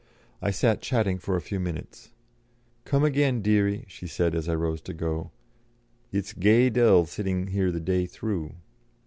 I sat chatting for a few minutes. 'Come again, deary,' she said as I rose to go; 'it's gey dull sitting here the day through.'"